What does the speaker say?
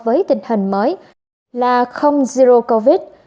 với tình hình mới là không zero covid